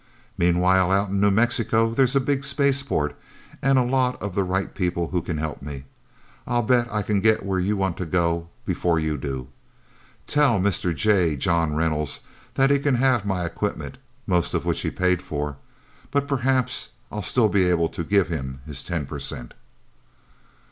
Meanwhile, out in New Mexico, there's a big spaceport, and a lot of the right people who can help me. I'll bet I can get where you want to go, before you do. Tell Mr. J. John Reynolds that he can have my equipment most of which he paid for. But perhaps I'll still be able to give him his ten percent."